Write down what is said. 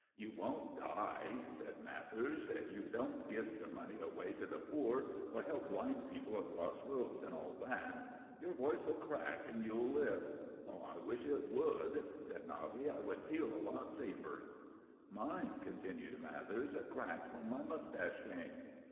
"You won't die," said Mathers. "You don't give your money away to the poor, or help blind people across roads, and all that. Your voice'll crack, and you'll live." "I wish it would," said Nubby; "I should feel a lot safer." "Mine," continued Mathers, "cracked when my mustache came."